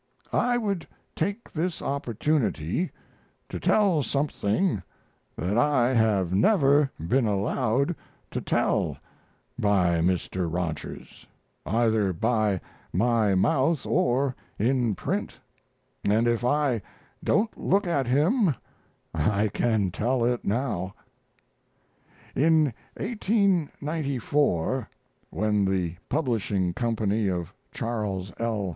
I would take this opportunity to tell something that I have never been allowed to tell by Mr. Rogers, either by my mouth or in print, and if I don't look at him I can tell it now. In 1894, when the publishing company of Charles L.